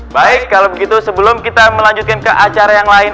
baik kalau begitu sebelum kita melanjutkan ke acara yang lain